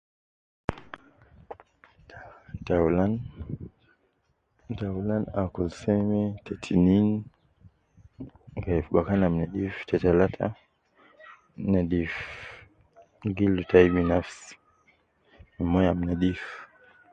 Ta, taulan akulu seme ,te tinin gayi fi bakan ab nedif, te talata nedif gildu tayi binafsi me moyo ab nedif.